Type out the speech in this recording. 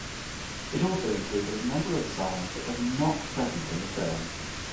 It also included a number of songs that were not present in the film.